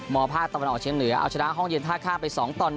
ภาคตะวันออกเชียงเหนือเอาชนะห้องเย็นท่าข้ามไป๒ต่อ๑